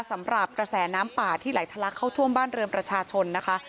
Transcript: สำหรับกระแสน้ำป่าที่ไหลทะลักเข้าท่วมบ้านเรือนประชาชนนะคะ